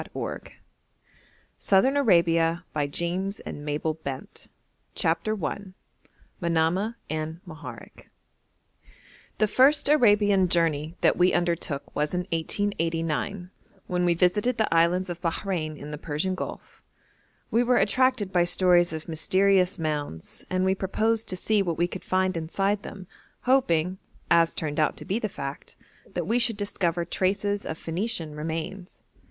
] SOUTHERN ARABIA CHAPTER I MANAMAH AND MOHAREK The first Arabian journey that we undertook was in 1889, when we visited the Islands of Bahrein in the Persian Gulf; we were attracted by stories of mysterious mounds, and we proposed to see what we could find inside them, hoping, as turned out to be the fact, that we should discover traces of Phoenician remains.